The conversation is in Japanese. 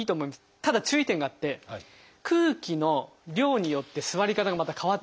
ただ注意点があって空気の量によって座り方がまた変わっちゃうんですよ。